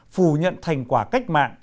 phù nhận thành quả cách mạng